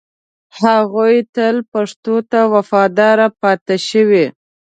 هغوی تل پښتو ته وفادار پاتې شوي